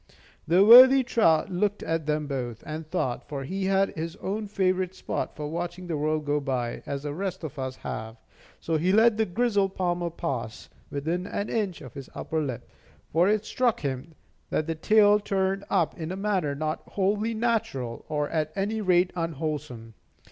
The worthy trout looked at them both, and thought; for he had his own favorite spot for watching the world go by, as the rest of us have. So he let the grizzled palmer pass, within an inch of his upper lip; for it struck him that the tail turned up in a manner not wholly natural, or at any rate unwholesome.